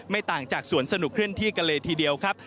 ต่างจากสวนสนุกเคลื่อนที่กันเลยทีเดียวครับ